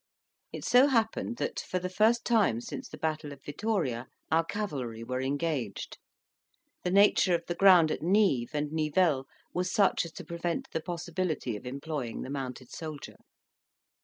It so happened that, for the first time since the battle of Vittoria, our cavalry were engaged: the nature of the ground at Nive and Nivelle was such as to prevent the possibility of employing the mounted soldier.